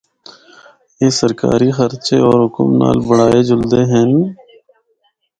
اے سرکاری خرچے ہور حکم نال بنڑائے جلدے ہن۔